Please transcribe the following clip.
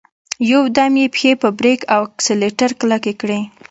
يودم يې پښې په بريک او اکسلېټر کلکې کړې.